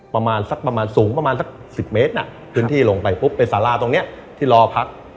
ประมาณสักประมาณสูงประมาณสัก๑๐เมตรพื้นที่ลงไปปุ๊บเป็นสาราตรงเนี้ยที่รอพัก